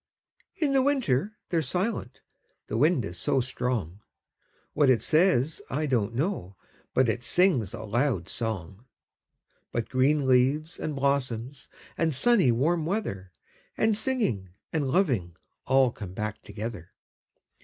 In the winter they're silent the wind is so strong; What it says, I don't know, but it sings a loud song. But green leaves, and blossoms, and sunny warm weather, 5 And singing, and loving all come back together.